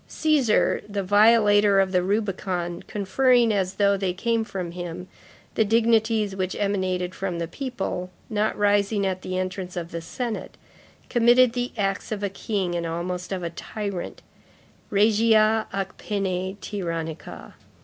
Cæsar, the violator of the Rubicon, conferring, as though they came from him, the dignities which emanated from the people, not rising at the entrance of the senate, committed the acts of a king and almost of a tyrant, regia ac pene tyrannica.